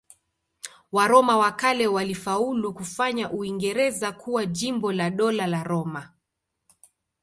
Waroma wa kale walifaulu kufanya Uingereza kuwa jimbo la Dola la Roma.